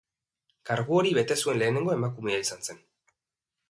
Kargu hori bete zuen lehenengo emakumea izan zen.